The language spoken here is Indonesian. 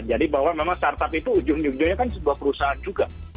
jadi bahwa memang start up itu ujung ujungnya kan sebuah perusahaan juga